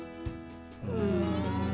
うん。